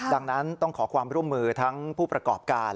ดังนั้นต้องขอความร่วมมือทั้งผู้ประกอบการ